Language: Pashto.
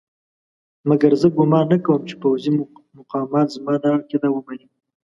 مګر زه ګومان نه کوم چې پوځي مقامات زما دا عقیده ومني.